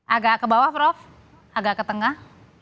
agak ke bawah prof agak ke tengah